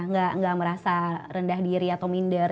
nggak merasa rendah diri atau minder